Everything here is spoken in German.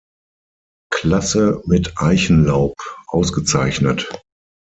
Klasse mit Eichenlaub ausgezeichnet.